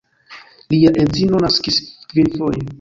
Lia edzino naskis kvinfoje.